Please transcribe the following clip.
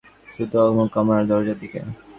ওর মুখ এখন কামরার দরজার দিকে।